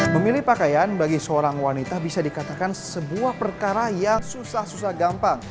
memilih pakaian bagi seorang wanita bisa dikatakan sebuah perkara yang susah susah gampang